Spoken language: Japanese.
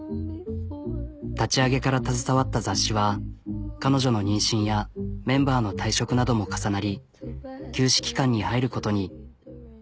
立ち上げから携わった雑誌は彼女の妊娠やメンバーの退職なども重なり休止期間に入ることに。